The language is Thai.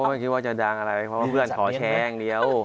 ใกล้ผมก็ไม่คิดว่าจะดังอะไรเพราะว่าเพื่อนขอแชงเดียว